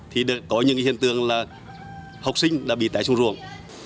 thì có những hiện tượng là học sinh đã bị cháy xuống ruộng